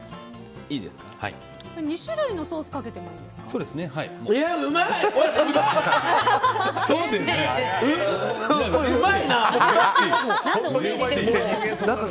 ２種類のソースをかけてもいいんですか？